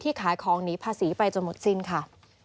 ขายของหนีภาษีไปจนหมดสิ้นค่ะ